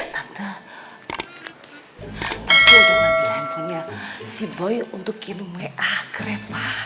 tante udah ngambil handphonenya si boy untuk kinmea krema